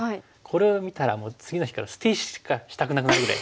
これを見たらもう次の日から捨て石しかしたくなくなるぐらい。